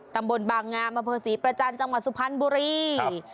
ตำบลบางงามอำเภอศรีประจันทร์จังหวัดสุพรรณบุรี